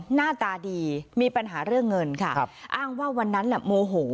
หน้าตาดีมีปัญหาเรื่องเงินค่ะครับอ้างว่าวันนั้นน่ะโมโห